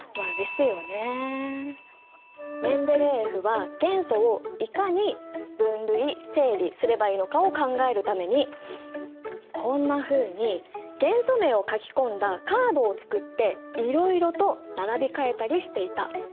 メンデレーエフは元素をいかに分類整理すればいいのかを考えるためにこんなふうに元素名を書き込んだカードをつくっていろいろと並び替えたりしていた。